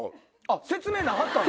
説明なかったんや。